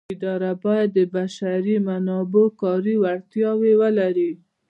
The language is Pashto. اداره باید د بشري منابعو کاري وړتیاوې ولري.